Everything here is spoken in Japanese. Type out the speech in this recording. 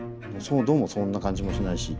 どうもそんな感じもしないし。